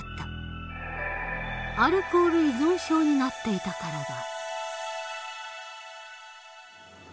アルコール依存症になっていたからだ。